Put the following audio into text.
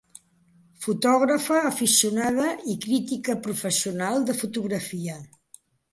Fotògrafa aficionada i crítica professional de fotografia.